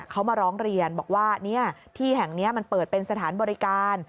เขามาร้องเรียนบอกว่าที่แห่งนี้มันเปิดเป็นสถานบริการ